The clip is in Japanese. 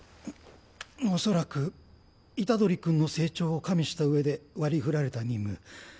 おそらく虎杖君の成長を加味したうえで割り振られた任務。